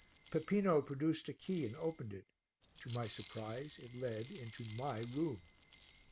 Peppino produced a key and opened it; to my surprise it led into my room.